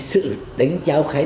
được rẽ thẳng cổ cho thấy